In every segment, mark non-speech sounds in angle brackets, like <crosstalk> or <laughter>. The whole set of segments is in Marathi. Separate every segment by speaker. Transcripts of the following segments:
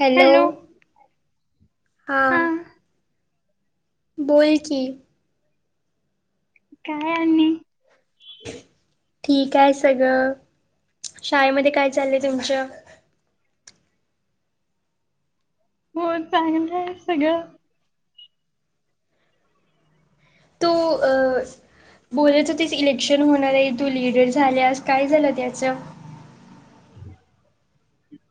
Speaker 1: हॅलो.
Speaker 2: हा
Speaker 1: हां. बोल की,
Speaker 2: काय आणि?
Speaker 1: ठीक आहे सगळं, शाळेमध्ये काय चालय तुमच्या.
Speaker 2: हो चांगलं हाय सगळं.
Speaker 1: तु अ.. बोलत होतीस इलेक्शन होणार आहे, तू लिडर झाल्यास काय झालं त्याचं. <inaudible>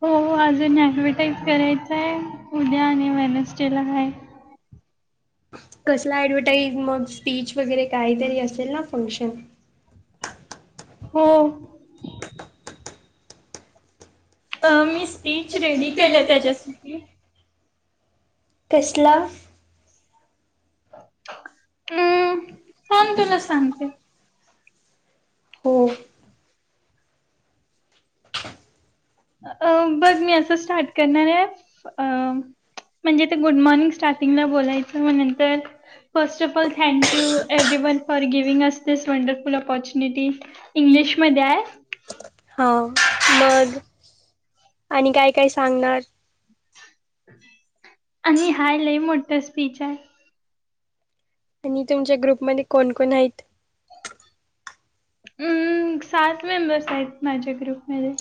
Speaker 2: हो हो अजून ऍडव्हटाईज करायचं आहे, उद्या आणि वेनस्टडेला हाय.
Speaker 1: कसलं ॲडव्हटाईज, मग स्पीच वगैरे कायतरी असेल ना फंक्शन?
Speaker 2: हो. अ मी स्पीच रेडी केलंय त्याच्यासाठी.
Speaker 1: कसला.
Speaker 2: अं थांब तुला सांगते.
Speaker 1: हो.
Speaker 2: अ मग मी असं स्टार्ट करणार आहे, अंम्हणजे ते गुड मॉर्निंग चॅटींगनं बोलायचं मग नंतर first of all thank you every one for giving us this wonderful opportunity. <unintelligible> इंग्लिशमध्ये हाय.
Speaker 1: हां मग आणि काय काय सांगणार?
Speaker 2: आणि हाय लय, मोठं स्पीच आहे.
Speaker 1: आणि तुमच्या ग्रुपमध्ये कोण कोण हाईत?
Speaker 2: अं सात मेंबर्स आहेत माझ्या ग्रुपमध्ये.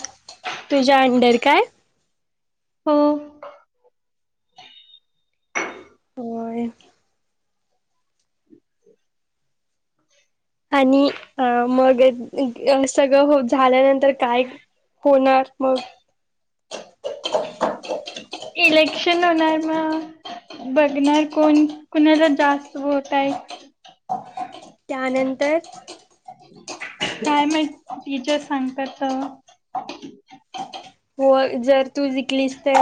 Speaker 1: तुझ्या अंडर काय
Speaker 2: हो.
Speaker 1: होय.
Speaker 2: <inaudible>
Speaker 1: आणि मग सगळं हो झाल्यानंतर काय होणार मग.
Speaker 2: <unintelligible> इलेक्शन होणार म. बघणार कोण, कुणाला जास्त वोट आहे.
Speaker 1: त्यानंतर
Speaker 2: काय माहित टीचर सांगतेत तर
Speaker 1: होय जर तू जीकलीस तर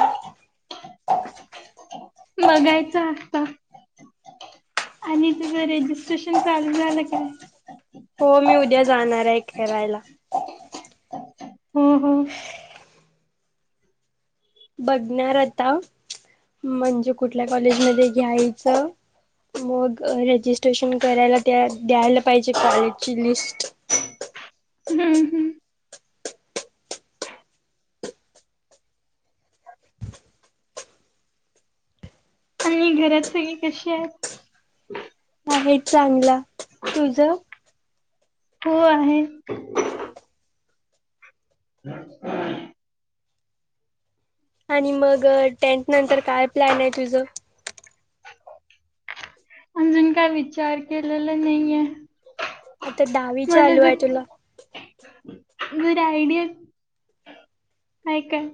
Speaker 2: बघायच असतं. आणि तुझं रेजिस्ट्रेशन चालू झालं काय?
Speaker 1: हो मी उद्या जाणार आहे खेरायला.
Speaker 2: हम् हम्..
Speaker 1: बघणार आता, म्हणजे कुठल्या कॉलेज मध्ये घ्यायचं. मग रजिस्ट्रेशन करायला त्या, द्यायला पाहिजे कॉलेजची लिस्ट.
Speaker 2: <unintelligible> आणि घरात सगळी कशी आहेत?
Speaker 1: आहे चांगला. तुझं?
Speaker 2: तू आहे <unintelligible>
Speaker 1: आणि मग टेंथ नंतर काय प्लॅन आहे तुझं?
Speaker 2: अजून काय विचार केलेला नाहीये.
Speaker 1: आता दहावी चालू हाय तुला.
Speaker 2: गुड आयडिया हाय काय?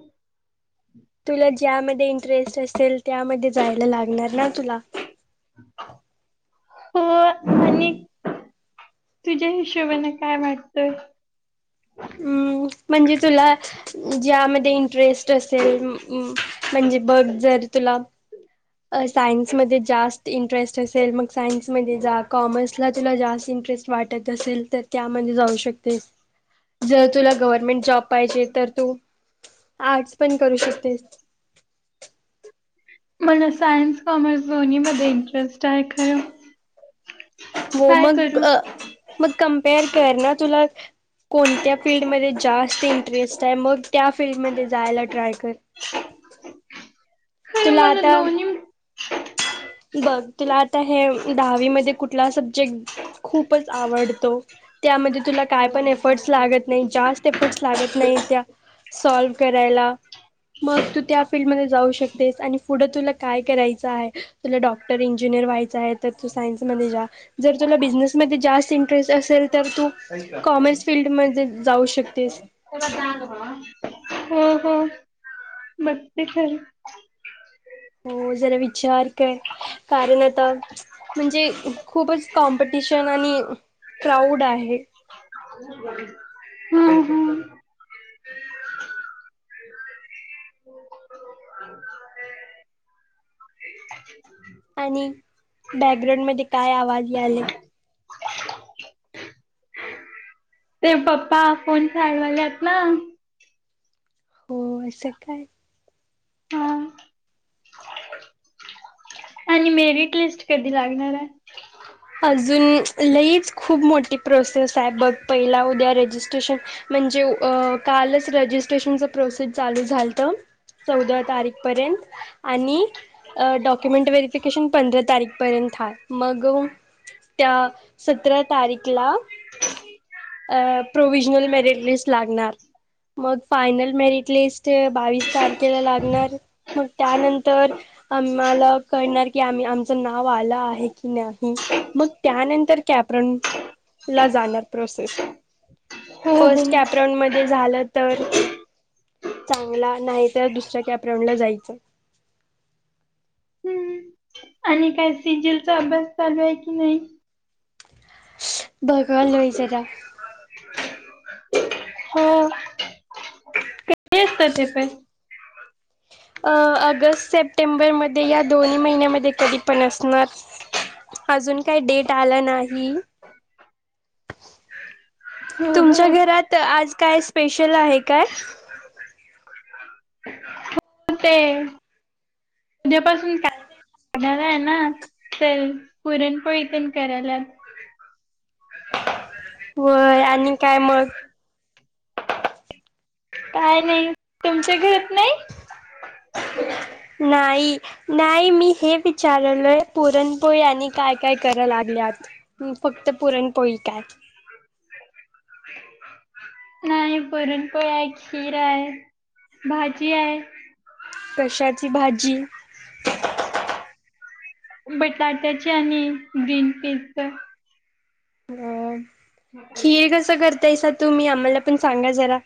Speaker 1: तुला ज्यामध्ये इंटरेस्ट असेल, त्यामध्ये जायला लागणार ना तुला.
Speaker 2: हो. आणि तुझ्या हिशोबाने काय वाटतंय?
Speaker 1: अं म्हणजे तुला ज्यामध्ये इंटरेस्ट असेल म म म्हणजे बघ जर तुला अं सायन्समध्ये जास्त इंन् टरेस्ट असेल मग सायन्समध्ये जा. कॉमर्सला तुला जास्त इंटरेस्ट वाटत असेल तर त्यामध्ये जाऊ शकतेस. जर तुला गव्हर्नमेंट जॉब पाहिजे, तर तू आर्ट्स पण करू शकतेस.
Speaker 2: मला सायन्स कॉमर्स दोन्हीमध्ये, इंटरेस्ट आहे खरं.
Speaker 1: हो
Speaker 2: काय
Speaker 1: मग
Speaker 2: करू?
Speaker 1: अ मग कम्पेअर कर ना तुला कोणत्या फील्डमध्ये जास्त इंटरेस्ट आहे, मग त्या फील्डमध्ये जायला ट्राय कर. <inaudible>
Speaker 2: खरं
Speaker 1: तूला
Speaker 2: मला
Speaker 1: आता
Speaker 2: दोन्ही
Speaker 1: बघ तिला आता हे, दहावी मध्ये कुठला सब्जेक्ट. खूपचं आवडतो. त्यामध्ये तुला काय पण एफर्ट्स लागत नाही, जास्त एफर्ट्स लागत नाही त्या सॉल्व करायला. मग तू त्या फील्डमध्ये जाऊ शकतेस आणि पुढं तुला काय कराय चा हाय. तुला डॉक्टर, इंजिनियर व्हायचं आहे तर तू सायन्स मध्ये जा. जर तुला बिझनेसमध्ये जास्त इंटरेस्ट असेल, तर तू कॉमर्स फिल्डमध्ये जाऊ शकतेस.
Speaker 2: तेगा हं. हंं. अगदी खर.
Speaker 1: हो जरा विचार कर, कारण आता. म्हणजे खूपच कॉम्पिटिशन आणि क्राऊड आहे.
Speaker 2: हं हं.
Speaker 1: आणि बॅकग्राऊंड मध्ये काय आवाज याले.
Speaker 2: ते पप्पा फोन चालवाल्यात नवं.
Speaker 1: हो असं काय?
Speaker 2: हा आणि मेरिट लिस्ट कधी लागणार आहे.
Speaker 1: ह.. अजून लईच खूप मोठी प्रोसेस आहे, बघ पहिला उद्या रेजिस्ट्रेशन. म्हणजे कालच रजिस्ट्रेशन प्रोसेस चालू झालत चौदा तारीख पर्यंत, आणि डॉक्युमेंट व वेरिफिकेशन पंधरा तारीख पर्यंत हा मग त्या सतरा तारीखला अ. प्रोवि्हजनल मेरिट लिस्ट लागणार. मग फायनल मेरिट लिस्ट, बावीस तारखेला लागणार मग त्यानंतर. आम्हाला कळणार की आमी- आमचं नाव आलं आहे की नाही मग त्यानंतर कॅपरन ला जाणार प्रोसेस.
Speaker 2: हो हो.
Speaker 1: फर्स्ट कॅपरान मध्ये झालं. तर चांगला नाही तर दुसऱ्या कॅपरनला जायचं.
Speaker 2: हम्म. आणि काय, सिजलचा अभ्यास चालू आहे की नाही.
Speaker 1: बघालोय लई जरा.
Speaker 2: <unintelligible> हो कधी असता तिथे.
Speaker 1: अ ऑगस्ट सेप्टेंबरमध्ये या दोन्ही महिन्यामध्ये कधी. पण असणार अजून काही डेट आला नाही.
Speaker 2: हो
Speaker 1: तुमच्या
Speaker 2: हो.
Speaker 1: घरात आज काय स्पेशल आहे काय?
Speaker 2: ते उद्यापासून काय, आहे ना ते. पुरणपोळी पण करालेत.
Speaker 1: होय, आणि काय मग.
Speaker 2: काय नाही, तुमच्या घरात नाही.
Speaker 1: नाही नाही मी हे पित. विचारालोय पुरणपोळी आणी काय, काय करल लागल्यात. मी फक्त पुरणपोळी कायं.
Speaker 2: नाही. पुरणपोळी आहे, खीर आहे भाजी आहे.
Speaker 1: कशाची भाजी.
Speaker 2: बटाट्याचे आणि ग्रीनपीसच.
Speaker 1: अ खीर कसं करतायसा तुम्ही आम्हाला पण सांगा जरा?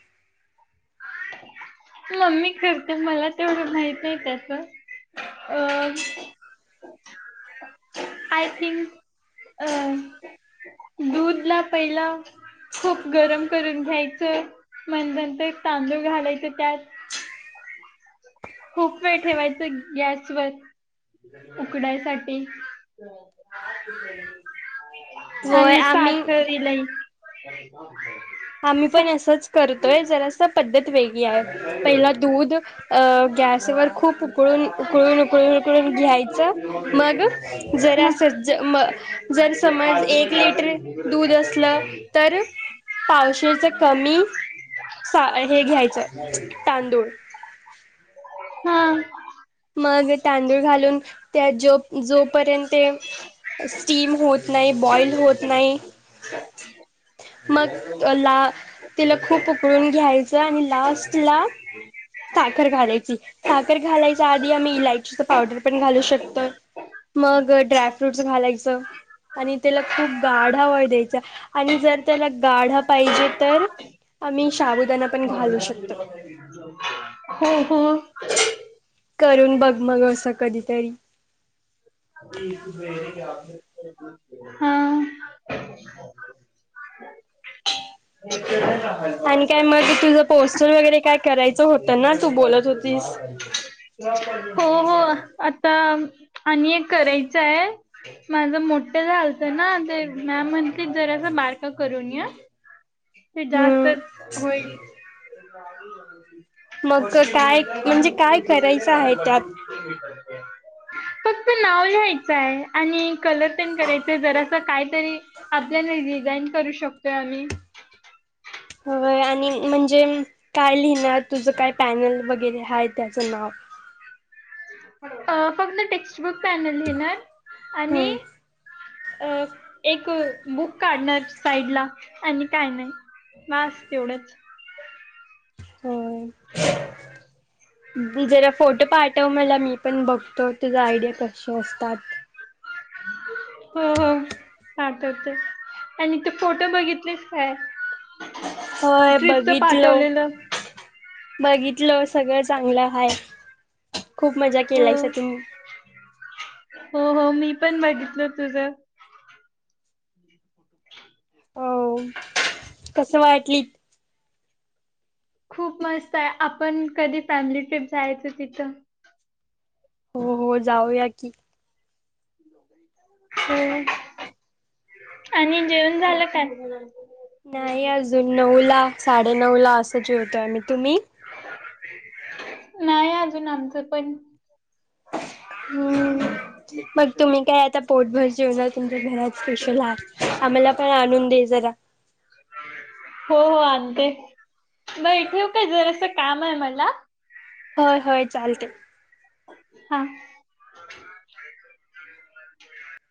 Speaker 2: मम्मी करत्या मला तेवढं, माहित नाही त्याच.. अ.. आय थिंक अ. दूधला पहिला खूप गरम करून घ्यायचं. मग नंतर तांदूळ घालायचे त्यात खूप वेळ ठेवायचं गॅसवर. उकडायसाठी.
Speaker 1: होय
Speaker 2: आणि
Speaker 1: आम्ही
Speaker 2: स्टार्टर इलंय.
Speaker 1: आम्ही पण असंच करतोय जरास पद्धत वेगळी आहे. पहिला दूध अ गॅसवर खूप उकळून, उकळून, उकळून, उकळून घ्यायचं, मग जरास ज मग जर समज एक लिटर दूध असलं तर पावशेरचे कमी सा हे घ्यायचं तांदूळ.
Speaker 2: हा.
Speaker 1: मग तांदूळ घालून त्या जो जोपर्यंत स्टीम होत नाही, बॉईल होत नाही. मग ला तिला खूप उकळून घ्यायचं आणि लास्टला साखर घालायची, साखर घालायच्या आधी आम्ही इलायचीचं पावडर पण घालू शकतोय. मग ड्रायफ्रूटस घालायचं. आणि त्याला खूप गाढा व्हाय द्यायचा आणि जर त्याला गाढा पाहिजे तर आम्ही शाबुदाना पण घालू शकतं.
Speaker 2: <unintelligible> हो हो
Speaker 1: करून बघ मग असं कधीतरी.
Speaker 2: हा
Speaker 1: आणि काय मग तुझ पोस्टर वगैरे काय करायचं होतं ना, तू बोलत होतीस. <unintelligible>
Speaker 2: हो हो आता आणि एक कराय कस हाय माझ मोठं झालत ना ते मॅम म्हण की जरासं बारकं करून ये ते
Speaker 1: हम्म
Speaker 2: जास्तच होईल. <inaudible>
Speaker 1: मग कसाय म्हणजे काय करायचं आहे त्यात?
Speaker 2: फक्त नाव लिहायचंय. आणि कलर तेन करायचे, जरासं कायतरी आपल्याला डिझाईन करू शकतोय आम्ही.
Speaker 1: होय आणि म्हणजे, काय लिहिणार, तुझं काय पॅनल वगैरे हाय त्याचं नाव.
Speaker 2: अ फक्त टेक्स्टबुक पॅनल लिहणार आणि
Speaker 1: हम्म
Speaker 2: अ एक बुक काढणार साईडला आणि काय नाही. बास तेवढंच. <inaudible>
Speaker 1: होय जरा फोटो पाठव मला मी पण बघतो. तुझा आयडिया कसे असतात?
Speaker 2: हो, हो, पाठवते आणि ते फोटो बघितलेस काय?
Speaker 1: होय
Speaker 2: ट्रिपच
Speaker 1: बघितलो
Speaker 2: पाठवलेलं.
Speaker 1: बघितलो, सगळं चांगलं हाय. खूप मजा
Speaker 2: हो
Speaker 1: केलायसा तुम्ही.
Speaker 2: हो, हो, मी पण बघितलं तुझं.
Speaker 1: हो कस वाटली
Speaker 2: खूप मस्तय, आपण कधी फॅमिली ट्रिप जायाचं तिथं?
Speaker 1: हो, हो, जाऊया की. <inaudible>
Speaker 2: हो आणि जेवण झालं का?
Speaker 1: नाही अजून नऊला, साडे-नऊला, असं जेवतो आम्ही, तुम्ही?
Speaker 2: नाही अजून आमचं पण.
Speaker 1: हम्म, मग तुम्ही काय आ आता पोटभर जेवणार तुमच्या घरात स्पेशल आहे, आम्हाला पण आणून दे जरा.
Speaker 2: हो हो. आणते नाही ठेऊ कायं जरासं. काम हाय मला
Speaker 1: होय होय चालतंय.
Speaker 2: हा.